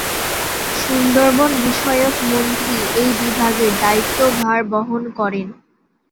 সুন্দরবন বিষয়ক মন্ত্রী এই বিভাগের দায়িত্বভার বহন করেন।